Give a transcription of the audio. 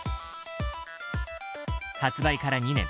発売から２年。